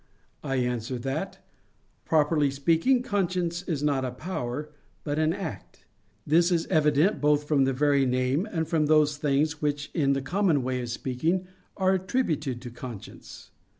I answer that, Properly speaking, conscience is not a power, but an act. This is evident both from the very name and from those things which in the common way of speaking are attributed to conscience.